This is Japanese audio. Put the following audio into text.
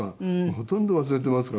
ほとんど忘れていますから。